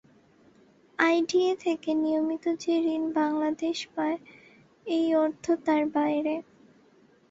IDA থেকে নিয়মিত যে ঋণ বাংলাদেশ পায়, এই অর্থ তার বাইরে।